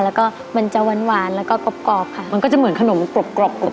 แล้วก็มันจะหวานหวานแล้วก็กรอบกรอบค่ะมันก็จะเหมือนขนมกรอบกรอบกรุบ